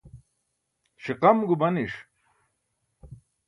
ṣiqam gumaniṣ